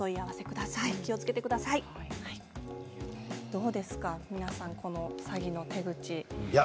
どうですか皆さん、この詐欺の手口。